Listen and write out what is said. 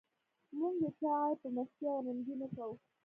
موږ د چا عیب په مستۍ او رندۍ نه کوو.